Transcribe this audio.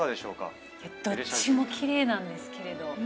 どっちもキレイなんですけれど。